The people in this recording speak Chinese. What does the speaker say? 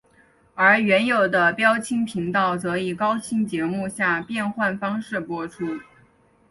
而原有的标清频道则以高清节目下变换方式播出。